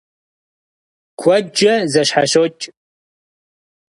Куэдкӏэ зэщхьэщокӏ.